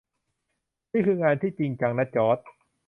นี่คืองานที่จริงจังนะจอร์จ